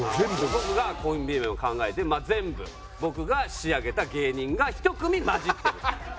僕がコンビ名を考えてまあ全部僕が仕上げた芸人が１組交じってる。